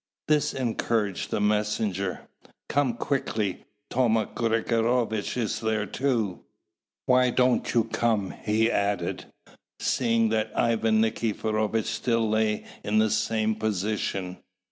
This encouraged the messenger. "Come quickly: Thoma Grigorovitch is there too. Why don't you come?" he added, seeing that Ivan Nikiforovitch still lay in the same position.